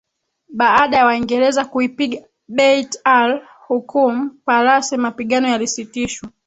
Baada ya Waingereza kuipiga Beit al Hukum Palace mapigano yalisitishwa